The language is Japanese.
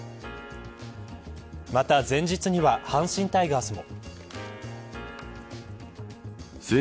また前日には阪神タイガースも。